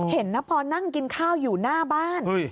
เห็นนะพอนั่งกินข้าวอยู่หน้าบ้าน